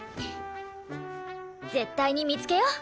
絶対に見つけよう！